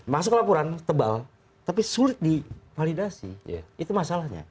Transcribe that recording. masuk laporan tebal tapi sulit di validasi itu masalahnya